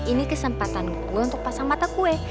ini kesempatan gue untuk pasang mata kue